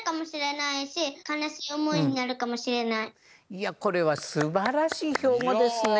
いやこれはすばらしいひょうごですね！